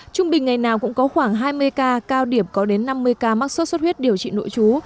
trung bình ngày nào cũng có khoảng hai mươi ca cao điểm có đến năm mươi ca mắc sốt xuất huyết điều trị nội trú